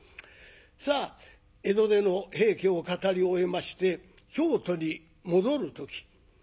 さあ江戸での「平家」を語り終えまして京都に戻る時